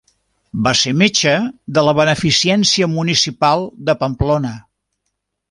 Va ser metge de la Beneficència municipal de Pamplona.